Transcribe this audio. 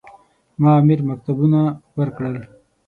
ما امیر مکتوبونه ورکړل.